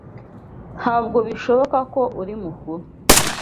Ntabwo bishoboka ko uri mukuru.